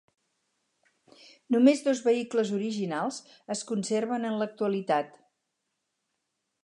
Només dos vehicles originals es conserven en l'actualitat.